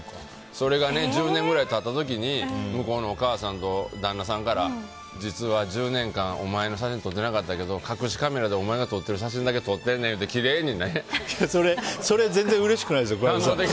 それが１０年くらい経った時に向こうのお母さんと旦那さんから実は１０年間お前の写真を撮ってなかったけど隠しカメラでお前が撮ってる写真だけそれ、全然うれしくないですよ。